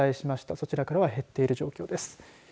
そちらからは減っている状況です。